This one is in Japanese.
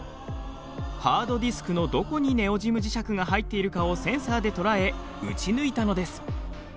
ハードディスクのどこにネオジム磁石が入っているかをセンサーで捉え打ち抜いたのです。